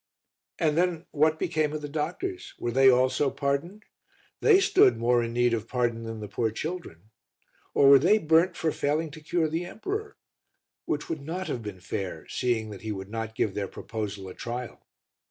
And then, what became of the doctors? Were they also pardoned? they stood more in need of pardon than the poor children. Or were they burnt for failing to cure the emperor? which would not have been fair, seeing that he would not give their proposal a trial.